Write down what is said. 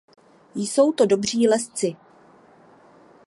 Jsou to dobří lezci.